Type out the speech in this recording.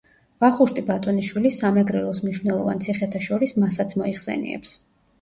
ვახუშტი ბატონიშვილი სამეგრელოს მნიშვნელოვან ციხეთა შორის მასაც მოიხსენიებს.